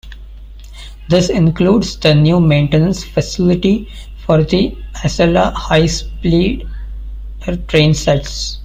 This includes the new maintenance facility for the Acela high-speed train sets.